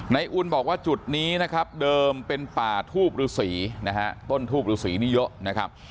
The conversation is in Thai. อุ่นบอกว่าจุดนี้นะครับเดิมเป็นป่าทูบฤษีนะฮะต้นทูบฤษีนี้เยอะนะครับ